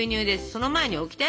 その前にオキテ！